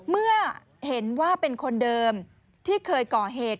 เมื่อเห็นว่าเป็นคนเดิมที่เคยก่อเหตุ